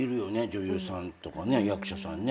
女優さんとか役者さんね。